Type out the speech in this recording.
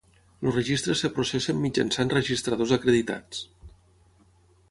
Els registres es processen mitjançant registradors acreditats.